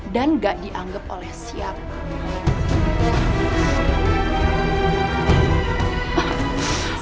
dan gak dianggap oleh siapa